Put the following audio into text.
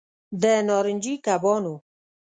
د نارنجي کبانو